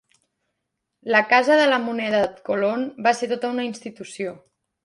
La Casa de la Moneda de Colón va ser tota una institució.